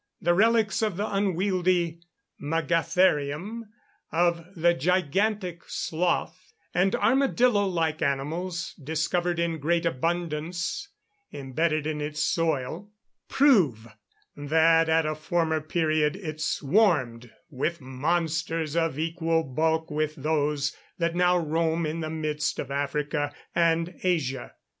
The relics of the unwieldly magatherium, of the gigantic sloth, and armadillo like animals, discovered in great abundance imbedded in its soil, prove that at a former period it swarmed with monsters of equal bulk with those that now roam in the midst of Africa and Asia.